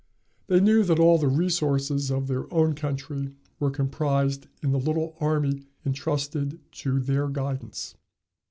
They knew that all the resources of their own country were comprised in the little army intrusted to their guidance.